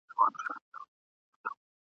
ور په برخه زغري توري او ولجې وې ..